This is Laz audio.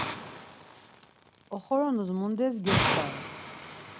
Oxoronus mundes gyoç̌ǩare?